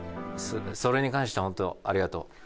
それに関しては本当ありがとう。